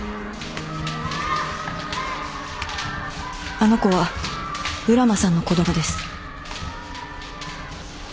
・あの子は浦真さんの子供です。